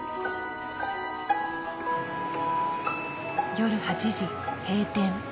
夜８時閉店。